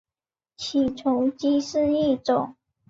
起重机是一种。